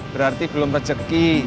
berarti belum rejeki